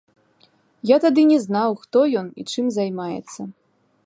Я тады не знаў, хто ён і чым займаецца.